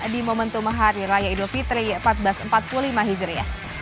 di momentum hari raya idul fitri seribu empat ratus empat puluh lima hijriah